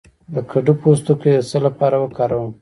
د کدو پوستکی د څه لپاره وکاروم؟